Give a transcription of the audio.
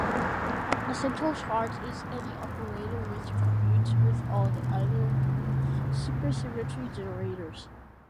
A central charge is any operator which commutes with all the other supersymmetry generators.